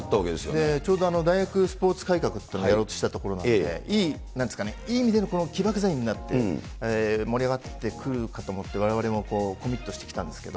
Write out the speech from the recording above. ちょうど大学スポーツ改革というのをやろうとしていたところなので、いい意味での起爆剤になって、盛り上がってくるかと思って、われわれもコミットしてきたんですけど。